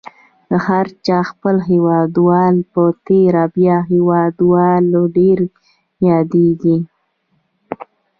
د هر چا خپل هیوادوال په تېره بیا هیوادواله ډېره یادیږي.